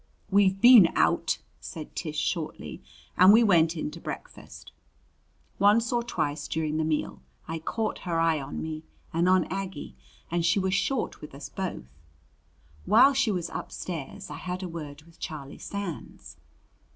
"We've been out," said Tish shortly, and we went in to breakfast. Once or twice during the meal I caught her eye on me and on Aggie and she was short with us both. While she was upstairs I had a word with Charlie Sands.